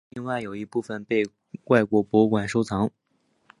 另外有一部份被外国博物馆收藏。